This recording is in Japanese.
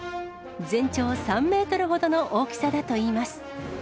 全長３メートルほどの大きさだといいます。